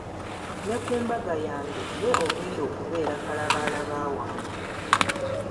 Ne ku mbaga yange ggwe ogenda okubeera kalabaalaba wange.